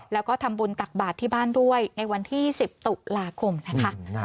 แล้วก็ทำบุญตักบาทที่บ้านด้วยในวันที่๑๐ตุลาคมนะคะ